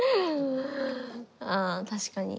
ああ確かに。